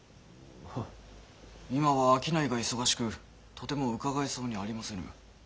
今は商いが忙しくとても伺えそうにありませぬ。